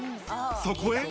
そこへ。